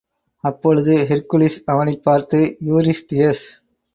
அப்பொழுது ஹெர்க்குலிஸ் அவனைப் பார்த்து, யூரிஸ்தியஸ்!